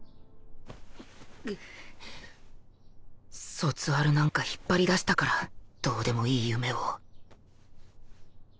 卒アルなんか引っ張り出したからどうでもいい夢を